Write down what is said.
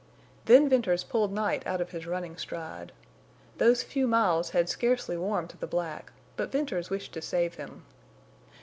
Then Venters pulled Night out of his running stride. Those few miles had scarcely warmed the black, but Venters wished to save him.